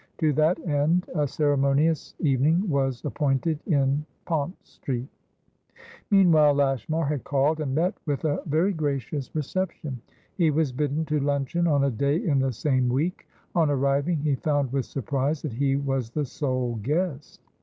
To that end, a ceremonious evening was appointed in Pont Street. Meanwhile, Lashmar had called, and met with a very gracious reception. He was bidden to luncheon on a day in the same week. On arriving, he found with surprise that he was the sole guest.